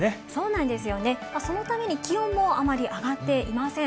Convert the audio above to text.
そうなんですよね、そのために気温もあまり上がっていません。